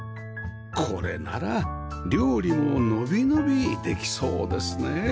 これなら料理も伸び伸びできそうですね